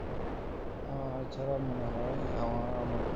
তাছাড়া, মনে হয় আমার মন খারাপ।